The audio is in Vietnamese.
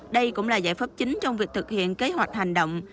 đây cũng là giải pháp chính trong việc thực hiện kế hoạch hành động